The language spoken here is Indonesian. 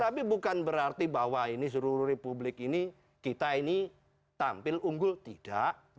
tapi bukan berarti bahwa ini seluruh republik ini kita ini tampil unggul tidak